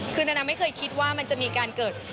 คือนานาไม่เคยคิดว่ามันจะมีการเกิด